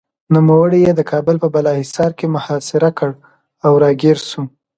نوموړي یې د کابل په بالاحصار کې محاصره کړ او راګېر شو.